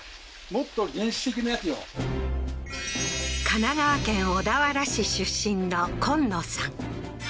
神奈川県小田原市出身の昆野さん